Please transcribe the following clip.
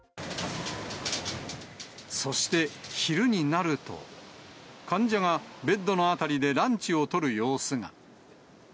そして、昼になると、患者がベッドの辺りでランチをとる様子が。